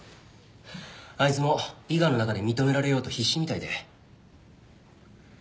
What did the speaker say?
あいつも伊賀の中で認められようと必死みたいで。